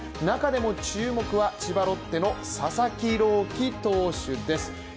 中でも注目は千葉ロッテの佐々木朗希投手です。